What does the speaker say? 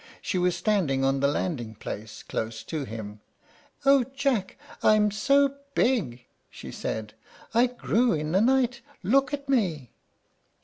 She was standing on the landing place, close to him. "O Jack! I'm so big," she said. "I grew in the night; look at me."